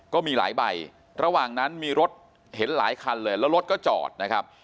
ก็มีหลายใบระหว่างนั้นมีรถเห็นหลายคันเลยแล้วรถก็จอดนะครับ